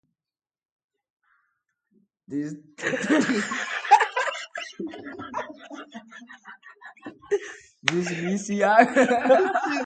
Dilistak txorixoarekin ditugu bazkaltzeko.